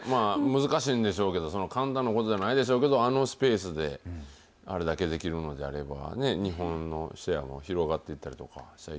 難しいんでしょうけど、簡単なことじゃないでしょうけど、あのスペースで、あれだけできるのであればね、日本のシェアも広がっていったりとか。